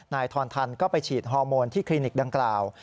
ทอนทันก็ไปฉีดฮอร์โมนที่คลินิกดังกล่าว